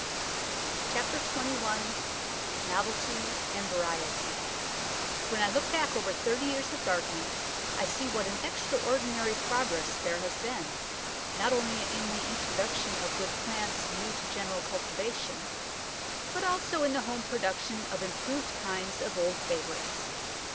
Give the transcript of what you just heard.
CHAPTER XXI NOVELTY AND VARIETY When I look back over thirty years of gardening, I see what an extraordinary progress there has been, not only in the introduction of good plants new to general cultivation, but also in the home production of improved kinds of old favourites.